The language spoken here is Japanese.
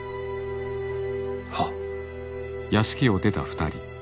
はっ。